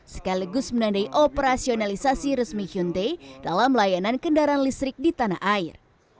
sekaligus menandai operasionalisasi resmi hyundai dalam layanan kendaraan listrik di tanah air